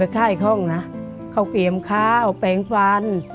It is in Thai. ข้ากลเขาอย่าไปไข้ข้องนะเขาเกลียมข้าวแบงค์ฟัน